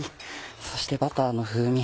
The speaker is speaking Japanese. そしてバターの風味